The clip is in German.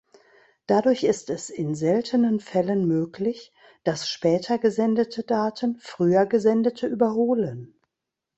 Dadurch ist es in seltenen Fällen möglich, dass später gesendete Daten früher gesendete überholen.